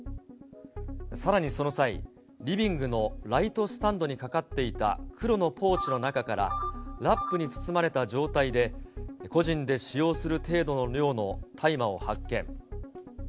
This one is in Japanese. さらにその際、リビングのライトスタンドにかかっていた黒のポーチの中から、ラップに包まれた状態で、個人で使用する程度の量の大麻を発見。